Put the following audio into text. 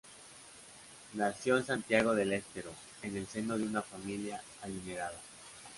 Nació en Santiago del Estero, en el seno de una familia adinerada.